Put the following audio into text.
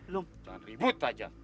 jangan ribut saja